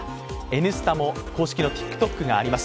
「Ｎスタ」も公式のＴｉｋＴｏｋがあります